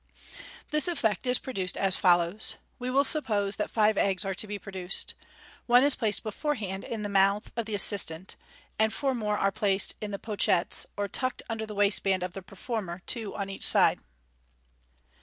This effect is produced as follows : We will suppose that five eggs are to be produced. One is placed beforehand in the mouth of the assistant, and four more are placed in the pochettes, or tucked under the waistband of the performer, two on each side.